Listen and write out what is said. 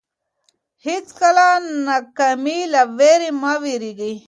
هیڅکله د ناکامۍ له وېرې مه وېرېږئ.